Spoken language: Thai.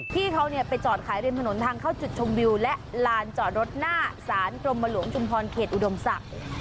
ที่เขาไปจอดขายริมถนนทางเข้าจุดชมวิวและลานจอดรถหน้าสารกรมหลวงชุมพรเขตอุดมศักดิ์